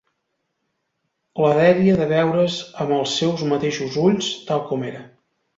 La dèria de veure's amb els seus mateixos ulls, tal com era